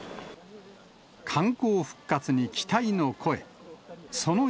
観光復活に期待の声。